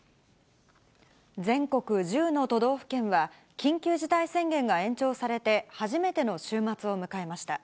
全国１０の都道府県は、緊急事態宣言が延長されて初めての週末を迎えました。